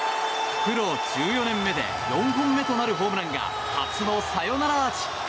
プロ１４年目で４本目となるホームランが初のサヨナラアーチ。